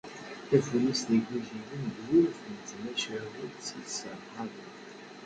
tafunast igujilen d yiwet n tmacahut isserhaben